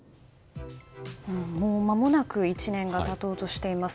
もうまもなく１年が経とうとしています。